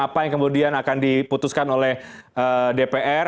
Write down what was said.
apa yang kemudian akan diputuskan oleh dpr